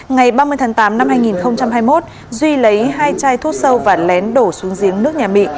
ngày ba mươi tháng tám năm hai nghìn hai mươi một duy lấy hai chai thuốc sâu và lén đổ xuống giếng nước nhà mị